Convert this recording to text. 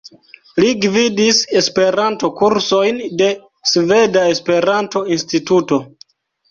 Li gvidis Esperanto-kursojn de Sveda Esperanto-Instituto.